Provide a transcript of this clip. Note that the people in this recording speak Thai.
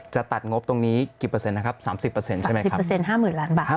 จะตัดงบตรงนี้กี่เปอร์เซ็นต์นะครับ๓๐เปอร์เซ็นต์ใช่ไหมครับ